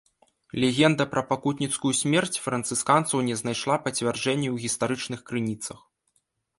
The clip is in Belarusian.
Легенда пра пакутніцкую смерць францысканцаў не знайшла пацверджання ў гістарычных крыніцах.